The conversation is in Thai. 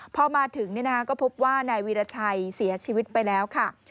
พอมาถึงก็พบว่านายวีรชัยเสียชีวิตไปแล้วค่ะ